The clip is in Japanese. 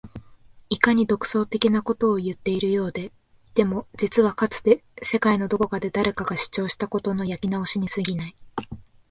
いかに独創的なことを言っているようでいても実はかつて世界のどこかで誰かが主張したことの焼き直しに過ぎない